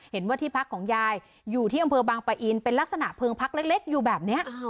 เห็นว่าที่พักของยายอยู่ที่อำเภอบางปะอินเป็นลักษณะเพลิงพักเล็กอยู่แบบนี้